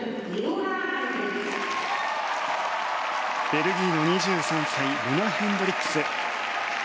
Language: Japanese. ベルギーの２３歳ルナ・ヘンドリックス。